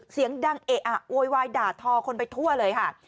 เสียงดังเอะอะโวยวายด่าทอคนไปทั่วเลยค่ะ